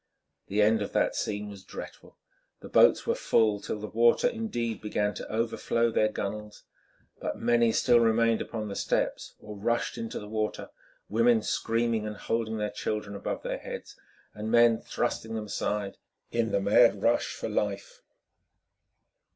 The end of that scene was dreadful. The boats were full, till the water indeed began to overflow their gunwales, but many still remained upon the steps or rushed into the water, women screaming and holding their children above their heads, and men thrusting them aside in the mad rush for life.